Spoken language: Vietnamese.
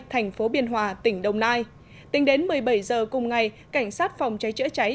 thành phố biên hòa tỉnh đồng nai tính đến một mươi bảy h cùng ngày cảnh sát phòng cháy chữa cháy